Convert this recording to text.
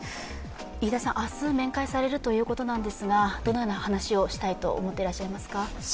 飯田さん、明日、面会されるということなんですがどのような話をされたいというふうに思ってらっしゃいますか。